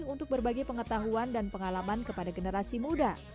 untuk berbagi pengetahuan dan pengalaman kepada generasi muda